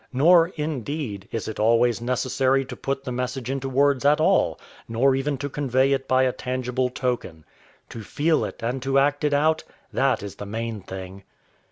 Nor, indeed, is it always necessary to put the message into words at all, nor even to convey it by a tangible token. To feel it and to act it out that is the main thing.